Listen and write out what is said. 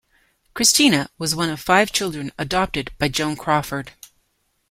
Christina was one of five children adopted by Joan Crawford.